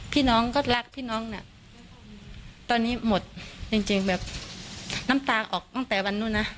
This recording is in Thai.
พี่น้องก็รักพี่น้องน่ะตอนนี้หมดจริงจริงแบบน้ำตาออกตั้งแต่วันนู้นนะ